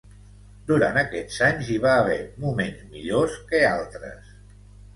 Durant aquests anys hi va haver moments millors que altres.